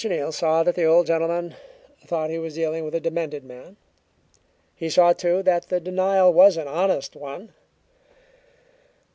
Neal saw that the old gentleman thought he was dealing with a demented man; he saw, too, that the denial was an honest one.